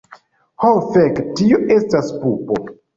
Ho fek, tio estas pupo.